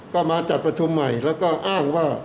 ก็มาจัดประชุมใหม่แล้วก็อ้างว่า